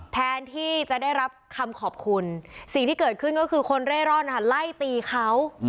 แทนที่จะได้รับคำขอบคุณสิ่งที่เกิดขึ้นก็คือคนเร่ร่อนไล่ตีเขา